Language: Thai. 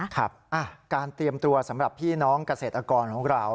ครับการเตรียมตัวสำหรับพี่น้องเกษตรกรของเรา